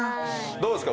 どうですか？